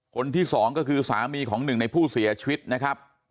คนที่สองก็คือสามีของหนึ่งในผู้เสียชีวิตนะครับ